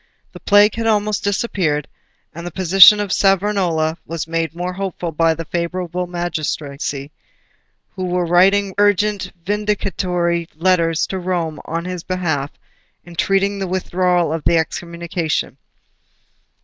The Plague had almost disappeared, and the position of Savonarola was made more hopeful by a favourable magistracy, who were writing urgent vindicatory letters to Rome on his behalf, entreating the withdrawal of the Excommunication.